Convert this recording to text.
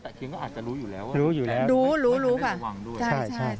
แต่เคี้ยงก็อาจจะรู้อยู่แล้วรู้ค่ะใช่ใช่